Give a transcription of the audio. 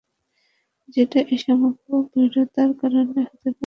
যেটা এই সম্ভাব্য বৈরিতার কারণ হতে পারে।